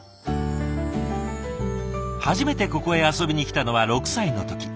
初めてここへ遊びに来たのは６歳の時。